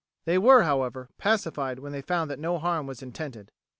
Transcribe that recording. They were, however, pacified when they found that no harm was intended.